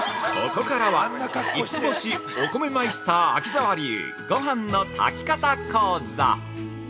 ◆ここからは五つ星お米マイスターの秋沢流ごはんの炊き方講座。